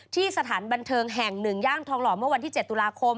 สถานบันเทิงแห่ง๑ย่างทองหล่อเมื่อวันที่๗ตุลาคม